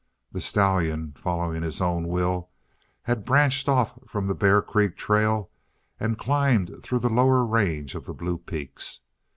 The stallion, following his own will, had branched off from the Bear Creek trail and climbed through the lower range of the Blue Peaks.